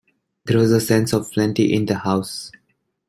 There was a sense of plenty in the house.